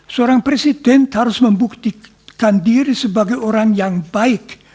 seorang presiden harus membuktikan diri sebagai orang yang baik